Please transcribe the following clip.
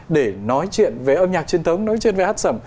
để nói chuyện về âm nhạc truyền thống nói chuyện về hát sẩm